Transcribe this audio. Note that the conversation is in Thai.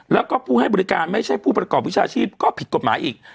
แล้วก็ผู้ให้บริการไม่ใช่ผู้ประกอบวิชาชีพก็ผิดกฎหมายอีก